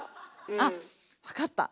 あっ分かった。